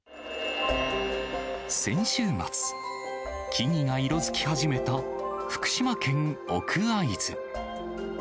先週末、木々が色づき始めた福島県奥会津。